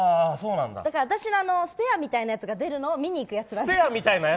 だから、私はスペアみたいなやつが出るのを見に行くやつ。